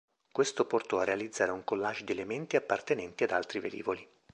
Questo portò a realizzare un collage di elementi appartenenti ad altri velivoli.